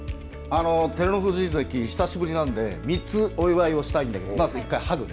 照ノ富士関、久しぶりなんで３つ、お祝いをしたんだけどまず１回、ハグね。